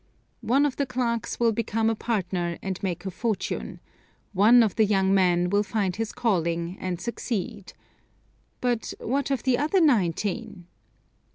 One of the clerks will become a partner, and make a fortune; one of the young men will find his calling and succeed. But what of the other nineteen?